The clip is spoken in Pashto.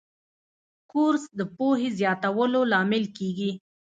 کورس د پوهې زیاتولو لامل کېږي.